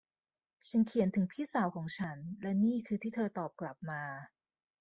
ฉันเขียนถึงพี่สาวของฉัน และนี่คือที่เธอตอบกลับมา